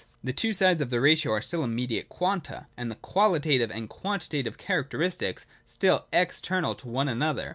106.] The two sides of the ratio are still immediate quanta : and the qualitative and quantitative character istics still external to one another.